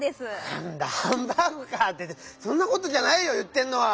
なんだハンバーグか！ってそんなことじゃないよいってんのは！